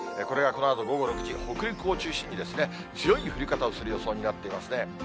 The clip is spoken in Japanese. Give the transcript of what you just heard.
これがこのあと午後６時、北陸を中心に強い降り方をする予想になってますね。